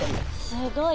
すごい。